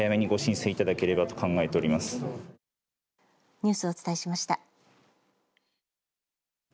ニュースをお伝えしました。